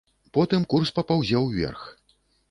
Потым курс папаўзе ўверх.